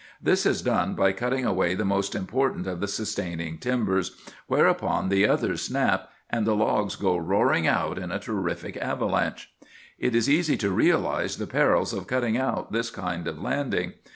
This is done by cutting away the most important of the sustaining timbers, whereupon the others snap, and the logs go roaring out in a terrific avalanche. "It is easy to realize the perils of cutting out this kind of landing.